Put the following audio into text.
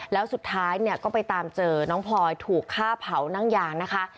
แล้วสุดท้ายเนี่ยก็ไปตามเจอน้องพลอยถูกฆ่าเผานั่งยางนะคะ